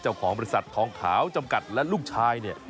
เจ้าของบริษัททองขาวจำกัดและลูกชายเนี่ย